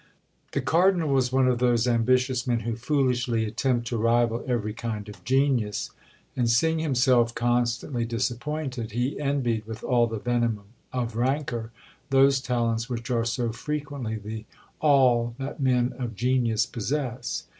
The cardinal was one of those ambitious men who foolishly attempt to rival every kind of genius; and seeing himself constantly disappointed, he envied, with all the venom of rancour, those talents which are so frequently the all that men of genius possess.